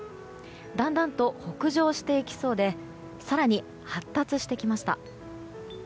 だんだんと北上していきそうで更に発達してきました。